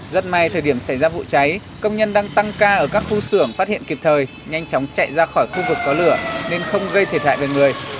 rất may thời điểm xảy ra vụ cháy công nhân đang tăng ca ở các khu xưởng phát hiện kịp thời nhanh chóng chạy ra khỏi khu vực có lửa nên không gây thiệt hại về người